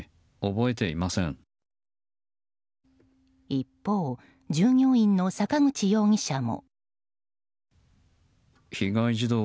一方、従業員の坂口容疑者も。